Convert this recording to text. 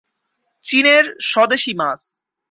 চীনের স্বদেশী মাছ।